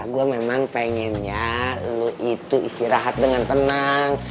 gue memang pengennya lu itu istirahat dengan tenang